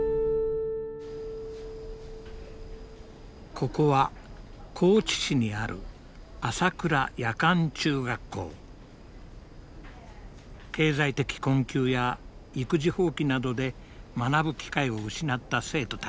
ここは高知市にある経済的困窮や育児放棄などで学ぶ機会を失った生徒たち